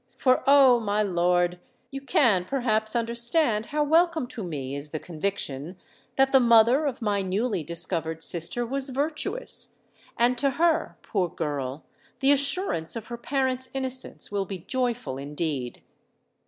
For, oh! my lord—you can perhaps understand how welcome to me is the conviction that the mother of my newly discovered sister was virtuous:—and to her, poor girl! the assurance of her parent's innocence will be joyful indeed!